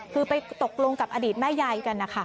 คือไปตกลงกับอดีตแม่ยายกันนะคะ